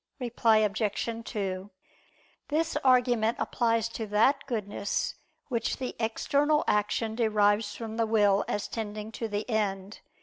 Reply Obj. 2: This argument applies to that goodness which the external action derives from the will as tending to the end.